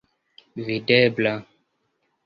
videbla